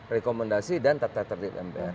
rekomendasi dan tata tertib mpr